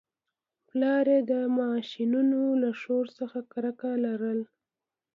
پلار یې د ماشینونو له شور څخه کرکه لرله